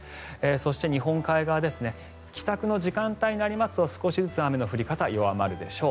そして、日本海側帰宅の時間帯になりますと少しずつ雨の降り方弱まるでしょう。